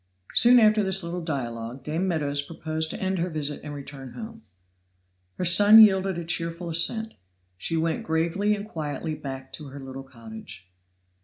Soon after this little dialogue Dame Meadows proposed to end her visit and return home. Her son yielded a cheerful assent. She went gravely and quietly back to her little cottage.